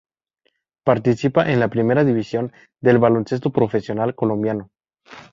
Participa en la primera división del Baloncesto Profesional Colombiano.